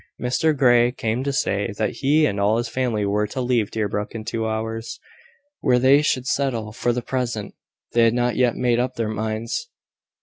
Mr Grey came to say that he and all his family were to leave Deerbrook in two hours. Where they should settle for the present, they had not yet made up their minds.